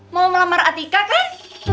mau melamar atika kan